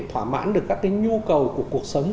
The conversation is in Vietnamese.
thỏa mãn được các nhu cầu của cuộc sống